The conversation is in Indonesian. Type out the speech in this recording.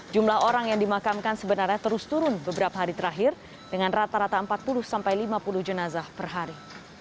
jumlah orang yang dimakamkan sebenarnya terus turun beberapa hari terakhir dengan rata rata empat puluh sampai lima puluh jenazah per hari